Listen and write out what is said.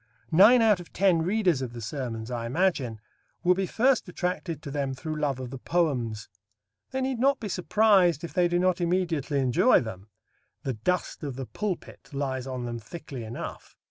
Nine out of ten readers of the Sermons, I imagine, will be first attracted to them through love of the poems. They need not be surprised if they do not immediately enjoy them. The dust of the pulpit lies on them thickly enough.